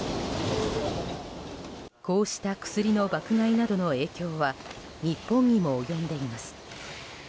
こうした薬の爆買いなどの影響は日本にも及んでいます。